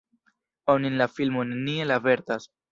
Onin la filmo neniel avertas.